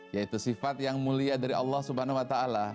yaitu sifat yang mulia dari allah swt